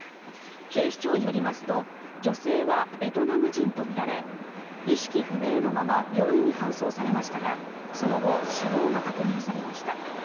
警視庁によりますと女性はベトナム人とみられ意識不明のまま病院に搬送されましたがその後、死亡が確認されました。